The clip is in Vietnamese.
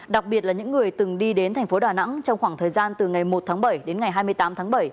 đặc biệt là những người từng đi đến thành phố đà nẵng trong khoảng thời gian từ ngày một tháng bảy đến ngày hai mươi tám tháng bảy